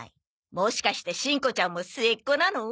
もしかしてしんこちゃんも末っ子なの？